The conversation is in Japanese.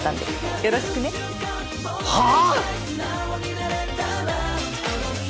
よろしくね。はあ！？